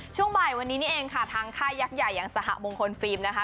ช่วงบ่ายวันนี้นี่เองค่ะทางค่ายยักษ์ใหญ่อย่างสหมงคลฟิล์มนะคะ